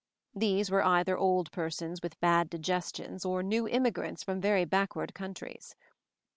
These were either old per sons with bad digestions or new immigrants from very backward countries.